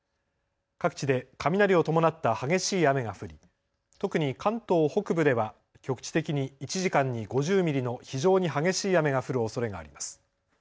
各地で雷を伴った激しい雨が降り特に関東北部では局地的に１時間に５０ミリの非常に激しい雨が降るおそれがあります。